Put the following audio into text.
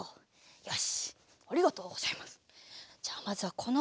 よし！